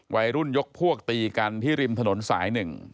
วัยรุ่นยกพวกตีกันที่ริมถนนสาย๑